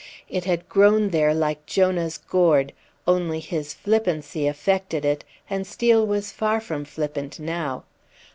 It had grown there like Jonah's gourd; only his flippancy affected it; and Steel was far from flippant now.